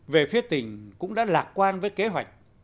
về phía tỉnh cũng đã lạc quan với kế hoạch